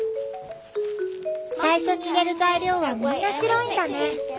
最初に入れる材料はみんな白いんだね。